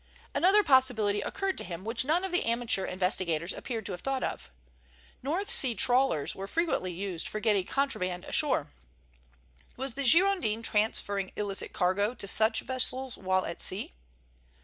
Another possibility occurred to him which none of the amateur investigators appeared to have thought of. North Sea trawlers were frequently used for getting contraband ashore. Was the Girondin transferring illicit cargo to such vessels while at sea?